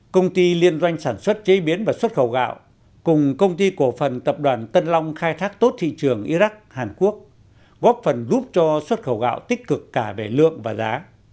công ty liên doanh sản xuất chế biến và xuất khẩu gạo cùng công ty cổ phần tập đoàn tân long khai thác tốt thị trường iraq hàn quốc góp phần giúp cho xuất khẩu gạo tích cực cả về lượng và giá